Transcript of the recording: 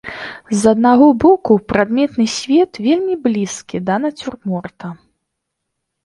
З аднаго боку, прадметны свет вельмі блізкі да нацюрморта.